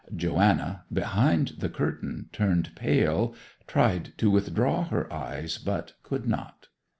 Joanna, behind the curtain, turned pale, tried to withdraw her eyes, but could not.